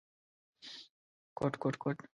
کوټ کوټ کوت…